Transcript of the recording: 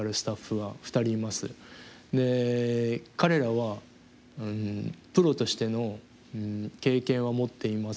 彼らはプロとしての経験は持っていません。